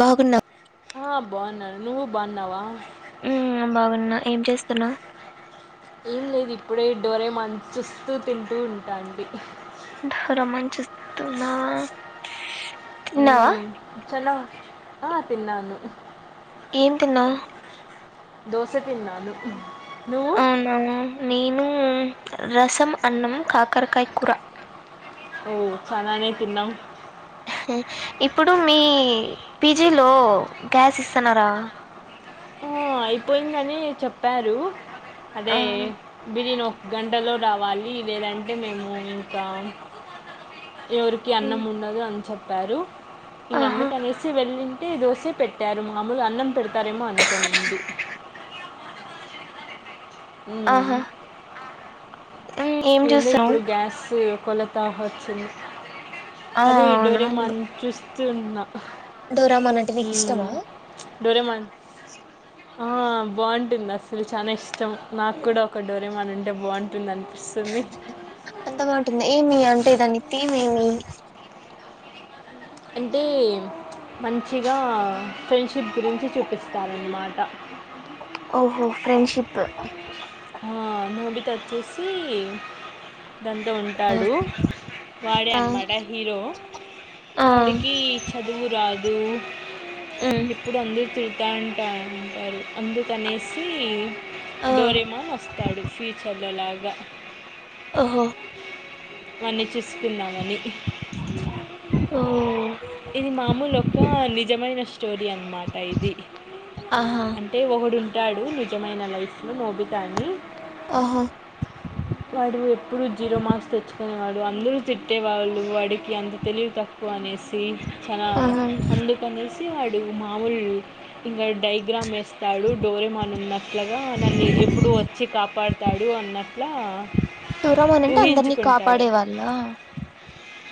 బాగున్నాం ఆ బాగున్నాడు నువ్వు బాగున్నావా బాగున్నా ఏం చేస్తున్నావ్ ఏం లేదు ఇప్పుడే ఈ డోరేమాన్ చూస్తూ తింటూ ఉంట అంతే రమ్మనిచెప్తున్నా హలో ఆ తిన్నాను ఏం తిన్నావ్ దోశ తిన్నాను నువ్వు? అవునా నీను రసం అన్నం కాకరకాయ కూర ఓ ఛాననే తిన్నావ్ ఇప్పుడు మీ పీజీలో గ్యాస్ ఇస్తున్నారా ఆ! అయిపోయిందని చెప్పారు అదే ఆహా బిరి నో గండల రావాలి ఇదేదంటే మేము ఇంకా ఎవరికి ఉమ్, అన్నం ఉండదు అని చెప్ప చెప్పారు ఇంగ ఆహా అందుకనేసి వెళ్లిన దోసే పెట్టారు మామూలు అన్నం పెడతారేమో అనుకోనీ [inaudible] ఆహా ఉమ్, ఏం ఏందో చూస్తున్నావ్ ఇప్పుడు గ్యాస్ కొలతా వచ్చింది ఆ అదే డోరేమాన్ చూస్ తిన్నా డోరెమాన్ అంటే నీకు ఇష్టమా డోరేమాన్ ఆ బాగుంటుంది అసలు చానా ఇష్ట ఇష్టం నాకు కూడా ఒక డోరెమానుంటే బాగుంటుంది అనిపిస్తుంది స్తుంది ఉంటుంది ఏమి అంటే దాన్ని థీమ్ ఏమీ అంటే మంచిగా ఫ్రెండ్షిప్ గురించి చూపిస్తారన్నమాట ఓహో ఫ్రెండ్షిప్ నోబితా వచ్చేసి దాంతో ఆ ఉంటాడు వాడే ఆ అనమాట హీరో ఆ వాడికి చదువు రాదు ఉమ్ దు ఎప్పుడు అందరు తిడ్ ద అంటా అంటారు అందుకనేసి ఆ ఇస్తాడు ఫీచర్లలాగా ఓహో వాన్నీ చూసుకుందామని ఓ ఇది మామూలు ఒక నిజమయిన స్టో స్టోరి అన్నమాటా ఇది ఆహా అంటే ఒకడు ట్టాడు నిజమైన లైఫ్ లో నోబితా తానీ ఆహా వాడు ఎప్పుడుూ జీరో మార్క్స్ తెచ్చుకునేవాడు అందరూ తిట్టేవాళ్ళు వాడికి అంత తెలివి తక్కువ అనేసి చాల ఆహా అందుకనేసి వవాడు మామూలు ఇంకా డైగ్రామ్ వేస్తాడు డోరెమాన్ ఉన్న అట్లాగా నన్ను ఎప్పుడూ వచ్చి కాపాడుత తడు అన్నట్ల ఆ టరమని అంటే అందరినీ కాపాడే వాళ్ళ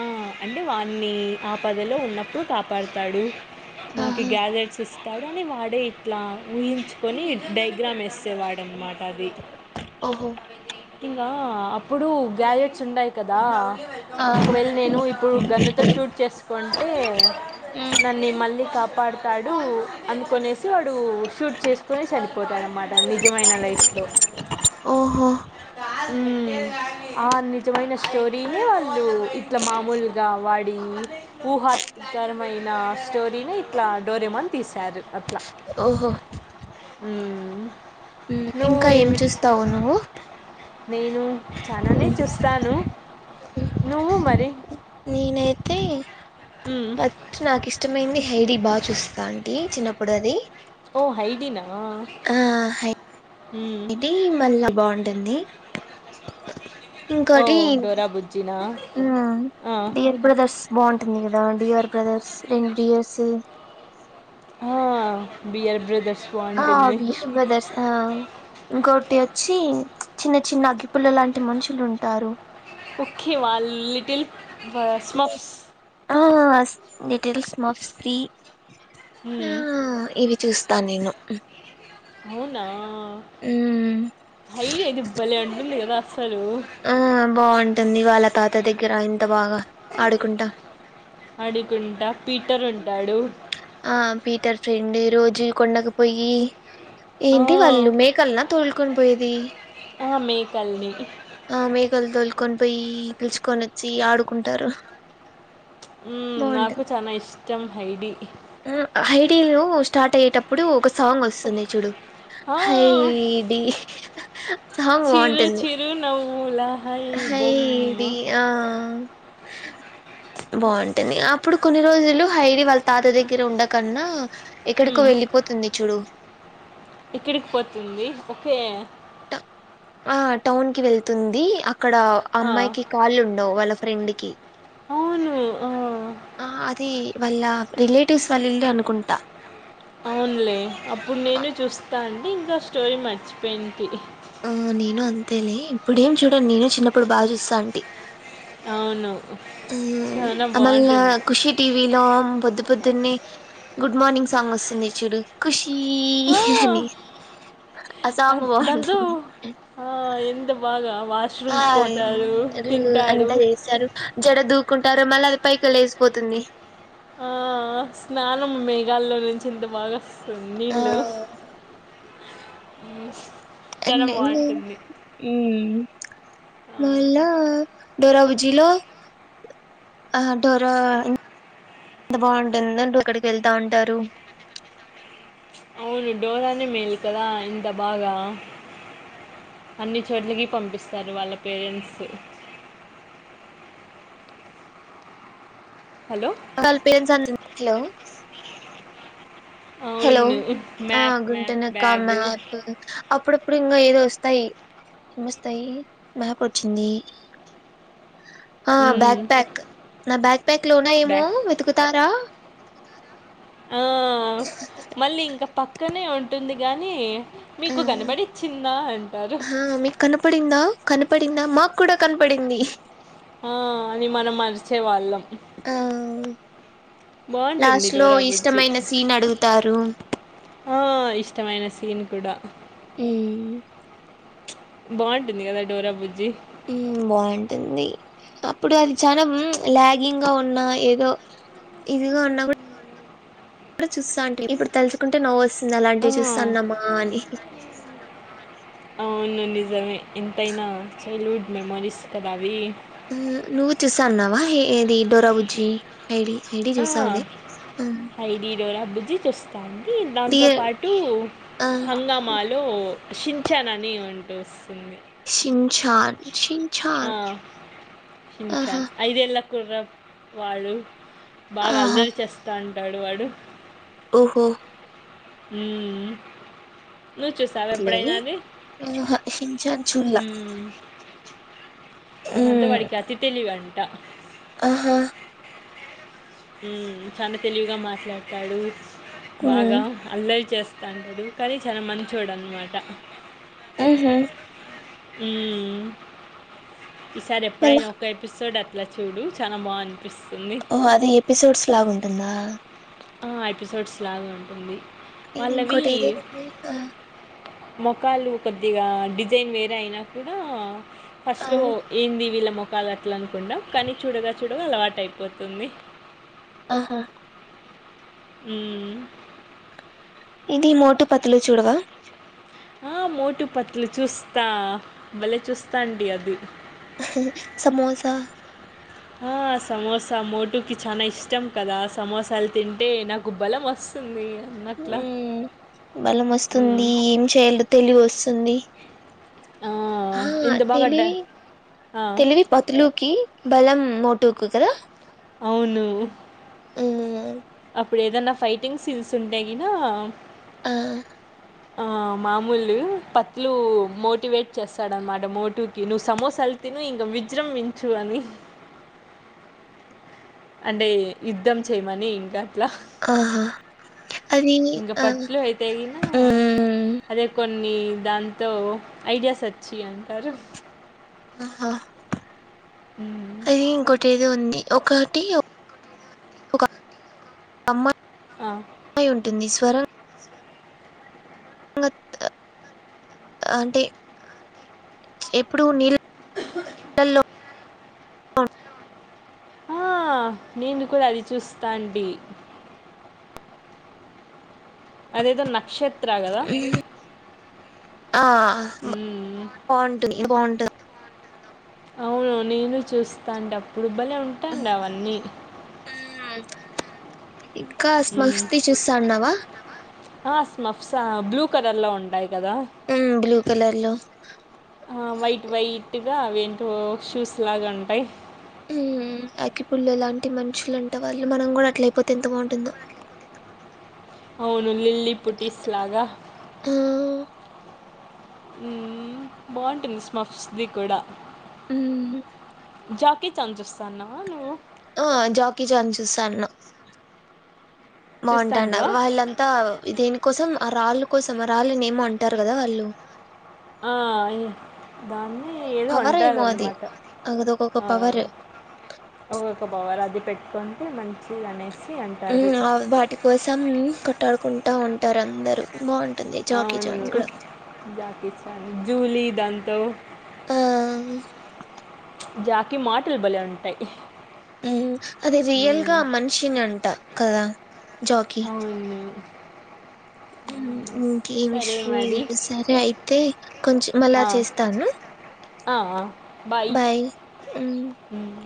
ఆ అంటే వాని ఆ పదలో ఉన్నప్పుడు కాపాడుతాడు నాకు ఆహా గ్యాజెట్స్ ఇస్తాడు అని వాడే ఇట్లా ఊహించుకొని డైగ్రామ్ వేస్తేవాడనమాట ఓహో ఆ అప్పుడు గ్యాలెక్ న్నాయి కదా ఆ ఒకవేళ నేను ఇప్పుడు గన్నుతో షూట్ చేసుకుంటే ఉమ్, నన్ను మళ్ళీ కాపా పడతాడు అందుకునే వాడు షూట్ చేసుకునే చనిపోతాడన్నమాట నిజమైన లైఫ్లో ఓహో ఆ నిజమైన స్టోరీని వాళ్ళు ఇట్లా మామూలుగా వాడి ఊహాత్కరమైన స్టోరీని ఇట్లా డోరేమన్ తీశారు అట్లా ఓహో హమ్ ఇంకా ఏం చూస్తావు నువ్వు నేను చాలానే ఉమ్, చూస్తాను నువ్వు మరి నేనైతే హ్యాడీ బాగా చూస్తా అంటీ చిన్నప్పుడు అది ఓ హైడినా ఆ మ్మ్. మళ్ళా బాగుంటుంది ఓ ఇంకోటి డోరా బుజ్జినా ఆ. డియర్ బ్రదర్స్ బాగుంటుంది కదా డియర్ బ్రదర్స్ రెండు ఇయర్స్ బియర్ బ్రదర్స్ ఆ బాగుంటుంది బియార్ బ్రదర్స్ ఆ ఇంకోటి వచ్చి చిన్న చిన్న అగ్గిపుల్ల లాంటి మనుషులు ఉంటారు ఓకే వాలు లిటిల్ స్మఫ్స్ ఆ లిటిల్ స్మార్ఫ్స్ ఆ మ్మ్. ఇవి చూస్తా నేను మ్ అవునా హ్డీ అయితే బలే ఉంటది కదా అసలు ఆ బాగుంటుంది వాళ్ళ తాత దగ్గర కిరాయి అడికుంట ఆ పీటర్ ఫ్రెండి రోజు కొండకు పోయి ఆ, ఏంటి వాళ్ళు మేకలనా తోల్కుం పోయది ఆ మేకల్ని కొని పోయి పిలుచుకొని వచ్చి ఆడుకుంటారు ఉ నాకు చనా ఇష్ట హైడి హైడీలు స్టార్ట్ అయిటప్ అప్పుడు సాంగ్ వస్తుంది చూడు ఆ, హై డి సాంగ్ బాగుంటుంది లా హైడి ఆ బాగుంటుంది అప్పుడు కొన్ని రోజులు హైడి వాళ్ళ తాత దగ్గర ఉండకన్నా ఎక్కడికో మ్మ్. వెళ్ళిపోతుంది చూడు ఇక్కడికి పోతుంది ఒకే ఆ టౌన్ కి వెళ్తుంది అ అక్కడ ఆ, అమ్మాయికి కాళ్ళు ఉండవు వాళ్ళ ఫ్రెండ్ పకి అవును ఆ, ఆ అది వాళ్ళ రిలేటివ్స్ వాళ్ళు ఇల్లు అనుకుంటా అవునులే అప్పుడు నేను చూస్తాను అే ఇంకా స్టోరీ మర్చిపోయింటి ఆ నేను అంతేలే, ఇప్పుడు ఏం చూడను నేను చిన్నప్పుడు బాగా చూస్తా ఉంటి. అవును చాలా అమల్ ల బాగుంటుంది ఖుషి టీవి లో పొద్దు పొద్దున్నే గుడ్ మార్నింగ్ సాంగ్ వస్తుంది చూడు ఖుష్ చి ఆ, అని ఆ సాంగ్ అద్- దాంతో బాగుంటుంది ఆ, ఎంత బాగా ఆ వాష్రూమ్కి పోతాడు [unintelligible] తింటాడు అంతా చేసారు జడ దూకుంటారు మళ్ళీ పైకి లేేసిపోతుంది ఆ స్నానం మెఘలో నుంచి ఇంత బాగా ఆ సున్నీళ్ళు ఉ ఎన్నెన్నీ ఉ ఆ, మళ్ళ డోరాబుజీలో ఆ డోర ఎం బాగుంటుందంట అక్కడికి వెళ్తా ఉంటారు అవును డోరానే మేలు కదా ఇంత బాగా అన్ని చోట్లకి పంపిస్తారు వాళ్ళ పేరెంట్స్ హలో వాళ్ళ పేరెన్స్ ఆన్ హలో హలో అవును ఆ మ్యాప్ మ్యాప్ గుంటనకా బ్యాగు మ్యాప్ అప్పుడు ఇప్పుడు ఇంగా ఏదో వస్తాయి ఏమొస్తాయి మ్యాప్ వచ్చింది. ఆ బ్యాక్ ప్యాక్ నా బ్యాక్ ప్యాక్ లోన ఏమో బ్యాగ్ వెతుకుతారా ఆ మళ్ళీ ఇంకా పక్కనే ఉం ఉంటుంది కానీ ఆ మీకు కనబడిచ్చిందా అంటారు హ మీకు కనపడిందా కనపడిందా మాకు కూడా కనపడింది ఆ అని మనం మరిచే వాళ్ళం ఆ లాస్ట్ లో బుజ్జి ఇష్టమైన సీన్ అడుగుతారు ఆ ఇష్టమైన సీన్ కూడా ఉ బాగుంటుంది కదా డోరా బుజ్జి ఉ బాగుంటుంది అప్పుడు అది చానా ఉమ్ ల్యాగింగ్ గా ఉన్నా ఏదో ఇదిగా ఉన్నా కూడా ఇప్పుడు చూస్తంటి ఇప్పుడు తలచుకుంటే నవ్ వస్త ఆ, అలాంటివి చూస్తాన్నమ్మా అని అవును నిజమే ఎంతైనా చైల్డ్హుడ్ మెమొరీస్ కదా అవి నువ్వు చూసా అన్నావా ఏ ఏది డోరావుజ్జి ఐడి ఐడి ఆ, చూసావులే హైడీడోరా బుజ్జి చూస్ కానీ దాంతో డియర్ పాటు ఆ హంగామాలో చిన్చాన్ అని ఉ టేస్ చిన్చాన్ ఆ, చిన్ఛన్ ఆహా కురాప్ వాళ్ళు బాగా ఆహా అల్లరి చేస్తా అం టాడు వాడు ఓహో ఉ ఇట్లే ఆహ శిన్చాన్ చూల్ల ఇదంతవాడికి అతి తెలివిఅం ట ఆహా ఉ చానా తెలివిగా మాట్లాడతాడు. మ్మ్ బాగా అల్లరి చేస్ [inaudible] అంటడు కానీ చాలా మంచోడు అనమాట. ఊహూ హ్ ఈసారి మళ్ళా ఎప్పుడైన ఒక ఎపిసోడ్ అ ట్ల చూడు చానా బాఅని పిస్తుంది. ఓ అది ఎపిసోడ్స్ లాగా ఉంటుందా. ఆ ఎపిసోడ్స్ లాగా ఉంటుంది. ఇది ఇంకొటేదో ఉన్నది ఆ మొకాళ్లు కొద్దిగా డిజైన్ వేరే అయినా కూడా ఆ ఫస్ట్ లో ఏంది విళ్ళా మొ కాల్ అట్ల అనకుండా కానీ చూడగా చూడగా అలవాటయిపోతుంది. ఆహా హ్మ్ ఇది మోటు పతులు చూడవా? ఆ మోటు పతులు చూస్తా భలేె చూస్తా అండి అది. ఆహా సమోసా ఆ సమోసా మోటుకి చానా ఇష్టం కదా, సమోసాలు తింటే నాకు బలం వస్తుంది. అన్నట్లా హ్ బలం వస్తుంది. మ్మ్. ఏం చేయాలో తెలివోస్తుంది. ఆ! ఆ ఎంత బాగా డ తెలివి ఆ! తెలివి పతులూకి, బలం మోటుకు కదా. అవునూ మ్మ్ అప్పుడు ఏదన్నా ఫైటింగ్ సీన్స్ ఉంటే గినా ఆ ఆ మామూలు పత్లు మోటివేట్ చేస్తాడన్నమాట మోటుకి నువ్వు సమోసాలు తిను ఇంగా విజృంభించు అని. అంటే యుద్ధం చేయమని ఇంకా. ఆహా అది ఇంక ఆ పట్లు అయితే గిన హ్మ్ అదే కొన్ని దాంతో ఐడియాస్ అచ్చి అంటారు. ఆహా! హ్మ్. అది ఇంకోటేదో ఉం ది ఒకటి ఒ ఆ! అమ్మాయి ఉంటుంది [inaudible] [unintelligible] ఇంగ త అంటే ఎప్పుడూ నీల్ ళ్ళల్లో హా నేను కూడ అది చూస్తా అంటీ. అదేదో న మ్ ఆ హ్మ్. బాగుంటది బాగుంటది. అవును నేను చూస్తా అంటే అప్పుడు. భలే ఉంటాండ్ అవన్నీ. ఇంకా మ్మ్. స్మస్తి చూస్తాన్నవా? మఫ్సా బ్లూ కలర్లో ఉంటాయి. కదా బ్లూ కలర్ లో హా వైట్ వైట్. గా అవేంటో షూస్ లాగా ఉంటాయి. హమ్ అగ్గిపుల్ల లాంటి మనుషులంట వాళ్ళు మనం గూడ అట్ల అయిపోతె ఎంత బాగుంటుందో! అవును లిల్లీపుట్టీస్ లాగా. ఆ హ్మ్ బాగుంటుంది స్మఫ్స్ది కూడా. జ చిన్ చాన్ చస్తాన్నవ నువు. ఆ జాకీ చాన్ చూస్తాన్న. బాగుంటా అన్నవ్ చూస్తాంటివా వాళ్ళంతా దేని కోసం. ఆ రాళ్ళు కోసం ఆ రాళ్ళు ఏమో అంటారు కదా వాళ్ళు. ఆ దాన్ని ఏదో పవర్ ఏమో అది అంటారన్నమాట అదొకొక అ పవర్ అదొక పవర్ అది. పెట్టుకుంటే మంచిదనేసి. హ్మ్ వాటి కోసం కొట్టాడుకుంట. కుంటా ఉంటారు అందరూ బాగుంట. అవును జాకి చాన్, జూలీ. దాంతో ఆ- జాకి మాటలు బలే ఉంటాయి. హ్మ్ హ అది రియల్ గా మ్మ్. ఆ మనిషిని అంట కదా జాకీ. అవును మ్ ఇంకేమ్ సరే హిస్టరీలు మరి లే సరే అయితే కొంచెం మళ్ళా ఆ, చేస్తాను ఆ, ఆ. బాయ్. మ్మ్.